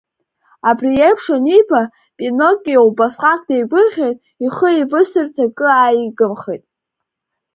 Абри еиԥш аниба, Пиноккио убасҟак деигәырӷьеит, ихы еивысырц акы ааигымхеит.